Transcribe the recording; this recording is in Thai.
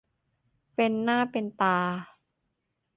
เป็นหน้าเป็นตา